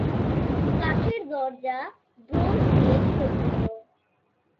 কাঠের দরজা ব্রোঞ্জ দিয়ে সজ্জিত।